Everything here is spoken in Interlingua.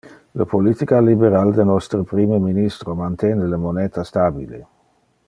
Le politica liberal de nostre prime ministro mantene le moneta stabile.